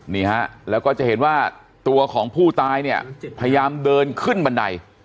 นี่ฮะแล้วก็จะเห็นว่าตัวของผู้ตายเนี่ยพยายามเดินขึ้นบันได